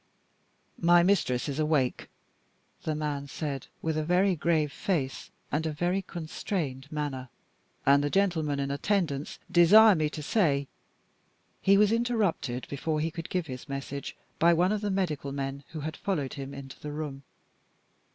"My mistress is awake," the man said, with a very grave face, and a very constrained manner; "and the gentlemen in attendance desire me to say " He was interrupted, before he could give his message, by one of the medical men, who had followed him into the room.